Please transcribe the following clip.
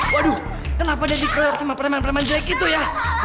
waduh kenapa dia dikeluar sama perempuan perempuan jelek itu ya